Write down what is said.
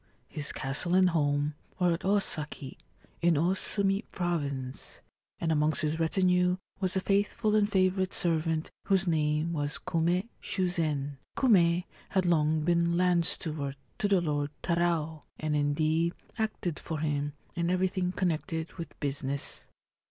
His castle and home were at Osaki, in Osumi Province, and amongst his retinue was a faithful and favourite servant whose name was Kume Shuzen. Kume had long been land steward to the Lord Tarao, and indeed acted for him in everything connected with business.